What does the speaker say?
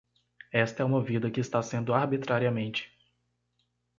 Esta é uma vida que está sendo arbitrariamente